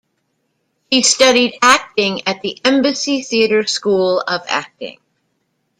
He studied acting at the Embassy Theatre School of Acting.